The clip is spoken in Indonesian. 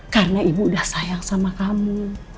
karena ibu udah sayang sama kamu